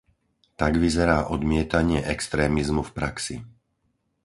Tak vyzerá odmietanie extrémizmu v praxi.